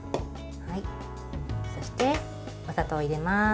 そして、お砂糖を入れます。